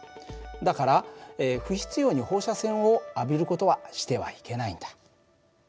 だから不必要に放射線を浴びる事はしてはいけないんだ。